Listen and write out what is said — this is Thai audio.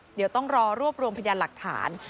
เดี๋ยวต้องรอรวบรวมพยานหลักฐาน